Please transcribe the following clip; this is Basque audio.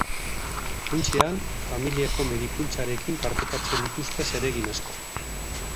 Funtsean, familiako medikuntzarekin partekatzen dituzte zeregin asko.